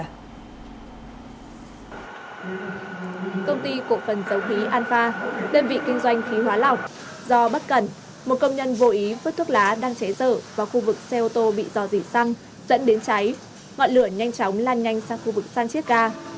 công ty cộng phần giấu hí an pha đơn vị kinh doanh khí hóa lọc do bất cẩn một công nhân vô ý vứt thuốc lá đang cháy dở vào khu vực xe ô tô bị do dỉ xăng dẫn đến cháy ngọn lửa nhanh chóng lan nhanh sang khu vực san chiếc ca